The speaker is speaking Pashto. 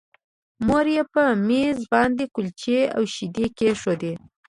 مور یې په مېز باندې کلچې او شیدې کېښودې